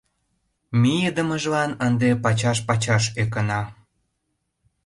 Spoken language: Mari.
Мийыдымыжлан ынде пачаш-пачаш ӧкына.